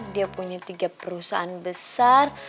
dia punya tiga perusahaan besar